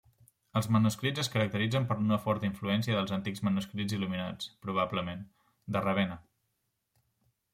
Els manuscrits es caracteritzen per una forta influència dels antics manuscrits il·luminats, probablement, de Ravenna.